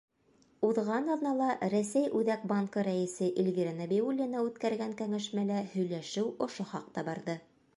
Уҙған аҙнала Рәсәй Үҙәк банкы рәйесе Эльвира Нәбиуллина үткәргән кәңәшмәлә һөйләшеү ошо хаҡта барҙы.